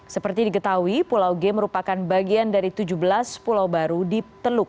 seperti diketahui pulau g merupakan bagian dari tujuh belas pulau baru di teluk